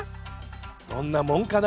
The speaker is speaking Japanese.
どんなもんかな？